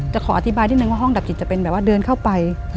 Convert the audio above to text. ขออธิบายนิดนึงว่าห้องดับจิตจะเป็นแบบว่าเดินเข้าไป